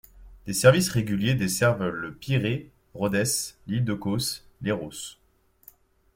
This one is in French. Des services réguliers desservent le Pirée, Rhodes, l'île de Kos, Léros...